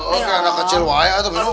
oke anak kecil waya tuh bener